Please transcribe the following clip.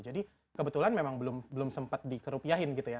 jadi kebetulan memang belum sempat dikerupiahin gitu ya